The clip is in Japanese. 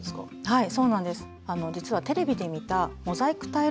はい。